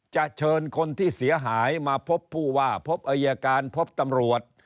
เชิญคนที่เสียหายมาพบผู้ว่าพบอายการพบตำรวจ